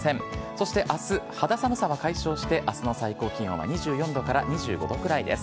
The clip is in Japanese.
そしてあす、肌寒さは解消して、あすの最高気温は２４度から２５度くらいです。